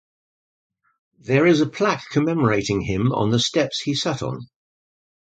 There is a plaque commemorating him on the steps he sat on.